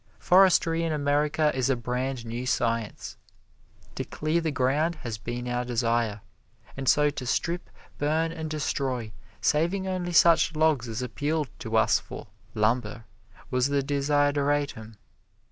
Forestry in America is a brand new science. To clear the ground has been our desire, and so to strip, burn and destroy, saving only such logs as appealed to us for "lumber," was the desideratum.